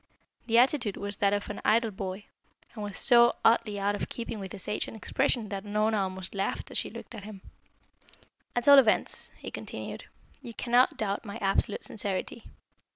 The attitude was that of an idle boy, and was so oddly out of keeping with his age and expression that Unorna almost laughed as she looked at him. "At all events," he continued, "you cannot doubt my absolute sincerity.